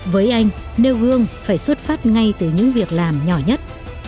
với anh nêu gương phải xuất phát ngay từ những việc làm nhỏ nhất